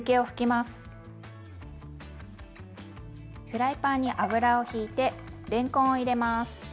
フライパンに油をひいてれんこんを入れます。